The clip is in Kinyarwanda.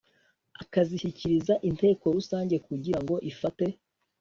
akazishyikiriza inteko rusange kugirango ifate